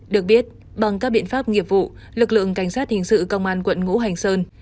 được biết bằng các biện pháp nghiệp vụ lực lượng cảnh sát hình sự công an quận ngũ hành sơn